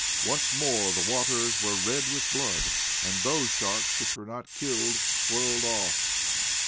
Once more the waters were red with blood, and those sharks which were not killed swirled off.